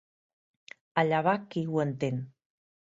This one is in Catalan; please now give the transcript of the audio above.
Allà va qui ho entén.